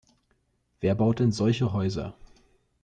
Wer baut denn solche Häuser?